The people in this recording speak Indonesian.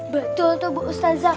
betul tuh bu ustazah